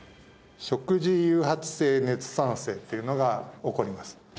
食事誘発性熱産生っていうのが起こります